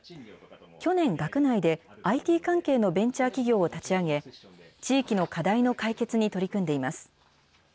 去年、学内でＩＴ関係のベンチャー企業を立ち上げ、地域の課題の解決に取り組んでいます。